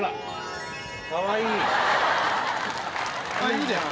いいじゃん！